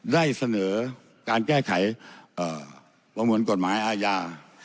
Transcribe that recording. ได้เสนอการแก้ไขประมวลกฎหมายอาญา